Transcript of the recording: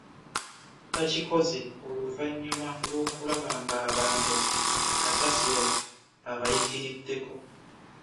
Bakikoze oluvannyuma lw'okulaba ng'abantu kasasiro abayitiriddeko